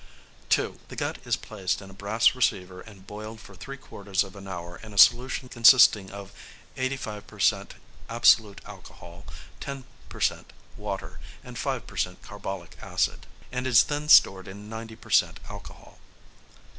(2) The gut is placed in a brass receiver and boiled for three quarters of an hour in a solution consisting of 85 per cent. absolute alcohol, 10 per cent. water, and 5 per cent. carbolic acid, and is then stored in 90 per cent. alcohol.